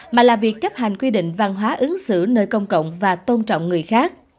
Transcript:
mà là việc chấp hành quy định văn hóa ứng xử nơi công cộng và tôn trọng người khác